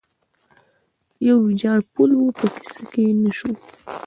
یو ویجاړ پل و، په کیسه کې یې نه شو.